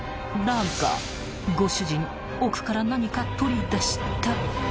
［だがご主人奥から何か取り出した］